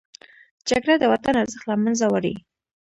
جګړه د وطن ارزښت له منځه وړي